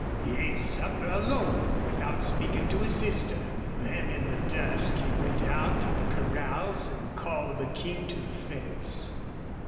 He ate supper alone, without speaking to his sister. Then in the dusk he went out to the corrals and called the King to the fence.